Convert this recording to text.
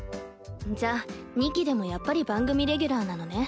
じゃあ２期でもやっぱり番組レギュラーなのね。